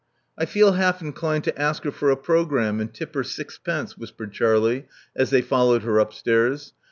I feel half inclined to ask her for a programme, and tip her sixpence," whispered Charlie, as they followed her upstairs.